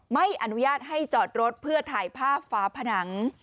ไม่อนุญาตให้จอดรถเพื่อถ่ายภาพฝาผนัง